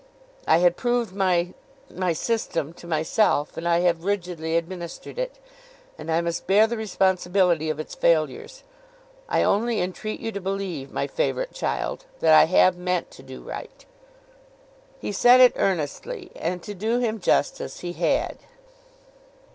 I had proved my—my system to myself, and I have rigidly administered it; and I must bear the responsibility of its failures. I only entreat you to believe, my favourite child, that I have meant to do right.' He said it earnestly, and to do him justice he had.